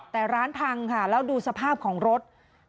แต่ร้านพังค่ะแล้วดูสภาพของรถ